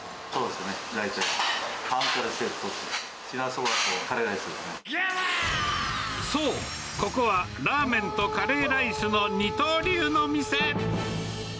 大体、半カレーセット、そう、ここはラーメンとカレーライスの二刀流の店。